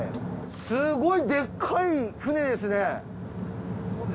すごいでっかい船ですね。